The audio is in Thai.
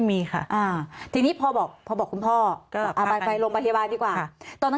มีค่ะทีนี้พอบอกพอบอกคุณพ่อไปไปโรงพยาบาลดีกว่าตอนนั้น